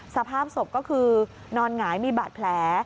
สภาพศพก็คือนอนหงายมีบาดแผล